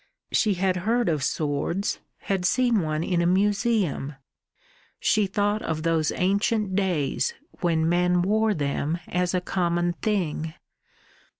She had heard of swords, had seen one in a museum; she thought of those ancient days when men wore them as a common thing.